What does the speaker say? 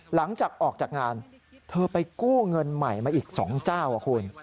หลังจากออกจากงานเธอไปกู้เงินใหม่มาอีก๒เจ้าคุณ